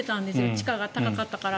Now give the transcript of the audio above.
地価が高かったから。